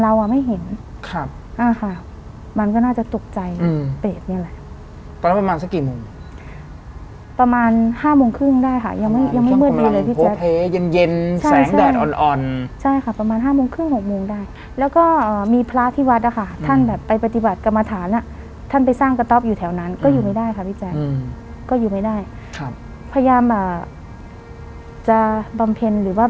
ค่ะมันก็น่าจะตกใจอืมเป็ดเนี้ยแหละตอนนั้นประมาณสักกี่โมงประมาณห้าโมงครึ่งได้ค่ะยังไม่ยังไม่มืดเลยพี่แจ๊กเย็นเย็นแสงดาดอ่อนอ่อนใช่ค่ะประมาณห้าโมงครึ่งหกโมงได้แล้วก็อ่ามีพระที่วัดอะค่ะท่านแบบไปปฏิบัติกรรมฐานอะท่านไปสร้างกระต๊อบอยู่แถวนั้นก็อยู่ไม่ได้ค่ะพี่แจ๊กอืมก็อยู่